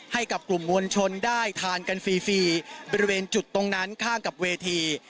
ให้กับกลุ่มมวลชนได้ทานกันฟรีบริเวณจุดตรงนั้นข้างกับเวที